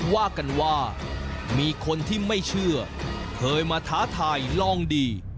ว่ากันว่ามีคนที่ไม่เชื่อเคยมาท้าทายลองดี